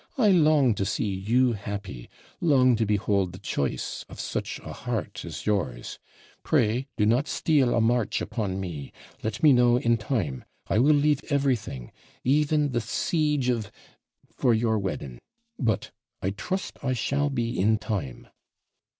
I long to see you happy long to behold the choice of such a heart as yours. Pray do not steal a march upon me let me know in time. I will leave everything even the siege of for your wedding. But I trust I shall be in time.'